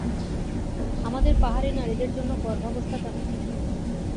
আমাদের পাহাড়ি নারীদের জন্য গর্ভাবস্থা তেমন কিছু নয়।